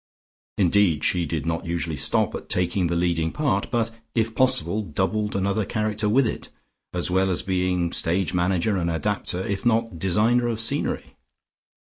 Indeed she did not usually stop at taking the leading part, but, if possible, doubled another character with it, as well as being stage manager and adapter, if not designer of scenery.